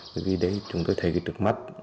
bởi vì đấy chúng tôi thấy cái trước mắt